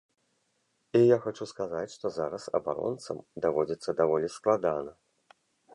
І я хачу сказаць, што зараз абаронцам даводзіцца даволі складана.